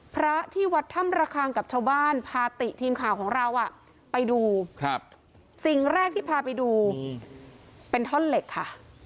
พระที่วัดถ้ำระคังกับชาวบ้านพาติทีมข่าวของเราไปดูสิ่งแรกที่พาไปดูเป็นท่อนเหล็กค่ะ